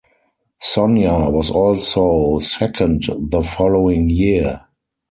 Sonia was also second the following year.